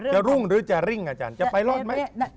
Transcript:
รุ่งหรือจะริ่งอาจารย์จะไปรอดไหม